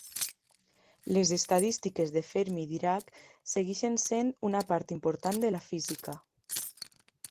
Les estadístiques de Fermi-Dirac segueixen sent una part important de la física.